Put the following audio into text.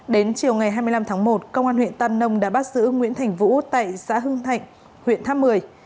đến chiều ngày hai mươi năm tháng một công an huyện tam nông đã bắt giữ nguyễn thành vũ tại xã hưng thạnh huyện tháp một mươi